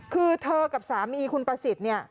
คือเธอกับสามีคุณประสิทธิ์เนี่ย